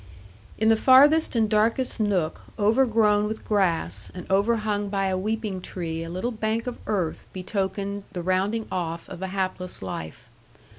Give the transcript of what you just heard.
In the farthest and darkest nook, overgrown with grass, and overhung by a weeping tree a little bank of earth betokened the rounding off of a hapless life.